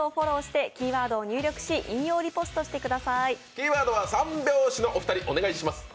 キーワードは三拍子のお二人、お願いします。